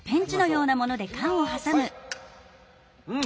うん。